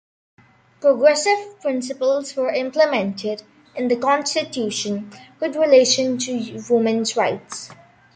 Progressive principles were implemented in the constitution with relation to women's rights.